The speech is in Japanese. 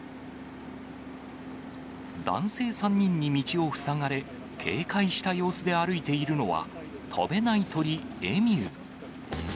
男性３人に道を塞がれ、警戒した様子で歩いているのは、飛べない鳥、エミュー。